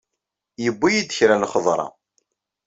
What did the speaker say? Yewwi-yi-d kra n lxeḍra.